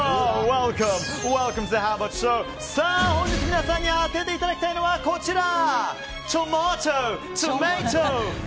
本日、皆さんに当てていただきたいのはこちら。